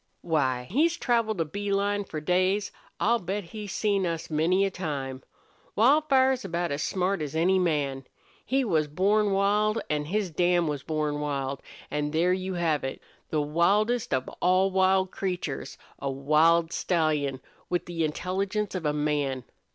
"Why, he's traveled a bee line for days! I'll bet he's seen us many a time. Wildfire's about as smart as any man. He was born wild, an' his dam was born wild, an' there you have it. The wildest of all wild creatures a wild stallion, with the intelligence of a man!